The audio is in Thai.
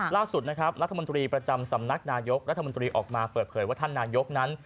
ล่าสุดนะครับรัฐมนตรีประจำสำนักนายกรัฐมนตรีออกมาเปิดเผยว่าท่านนายกนั้น